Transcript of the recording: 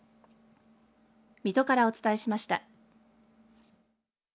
水戸からお伝えしました。